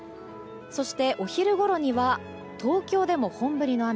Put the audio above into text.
そしてお昼ごろには東京でも本降りの雨。